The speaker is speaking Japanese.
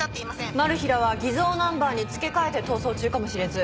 マルヒらは偽造ナンバーに付け替えて逃走中かもしれず。